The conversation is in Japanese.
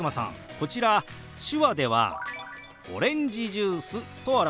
こちら手話では「オレンジジュース」と表しますよ。